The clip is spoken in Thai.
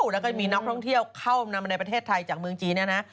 แล้วก็มีนักท่องเที่ยวเข้ามาในประเทศไทยจากเมืองจีนเนี่ยนะ